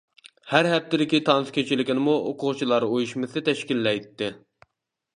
ھەر ھەپتىدىكى تانسا كېچىلىكىنىمۇ ئوقۇغۇچىلار ئۇيۇشمىسى تەشكىللەيتتى.